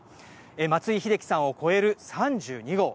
松井秀喜さんを超える３２号。